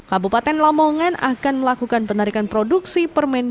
kabupaten lamongan akan melakukan penarikan produksi permen